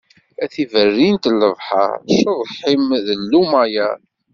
A tiberrint n lebḥer, cceḍḥ-im d llumayer.